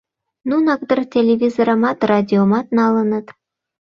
Нунак дыр телевизорымат, радиомат налыныт.